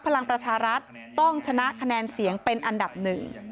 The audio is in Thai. พลังประชารัฐต้องชนะคะแนนเสียงเป็นอันดับหนึ่ง